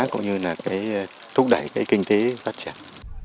cũng như là thúc đẩy kinh tế phát triển